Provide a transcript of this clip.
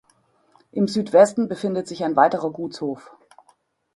Im Südwesten befindet sich ein weiterer Gutshof.